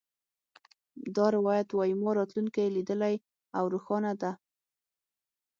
دا روایت وایي ما راتلونکې لیدلې او روښانه ده